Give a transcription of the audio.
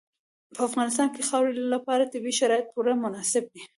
په افغانستان کې د خاورې لپاره طبیعي شرایط پوره مناسب دي.